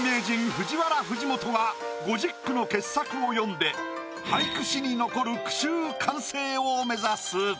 ＦＵＪＩＷＡＲＡ藤本が５０句の傑作を詠んで俳句史に残る句集完成を目指す。